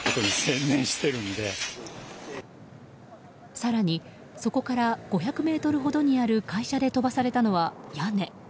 更にそこから５００ｍほどにある会社で飛ばされたのは、屋根。